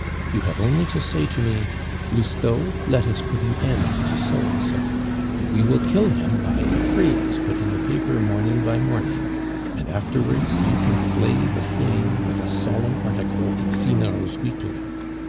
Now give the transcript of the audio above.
You have only to say to me, 'Lousteau, let us put an end to So and so,' and we will kill him by a phrase put in the paper morning by morning; and afterwards you can slay the slain with a solemn article in Finot's weekly.